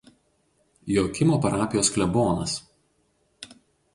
Joakimo parapijos klebonas.